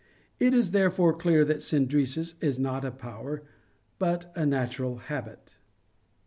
It is therefore clear that "synderesis" is not a power, but a natural habit.